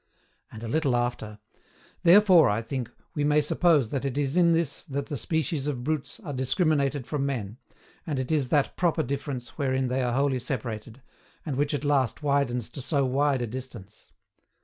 And a little after: "Therefore, I think, we may suppose that it is in this that the species of brutes are discriminated from men, and it is that proper difference wherein they are wholly separated, and which at last widens to so wide a distance.